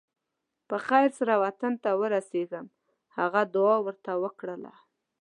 په خیر سره وطن ته ورسېږم هغه دعا ورته وکړله.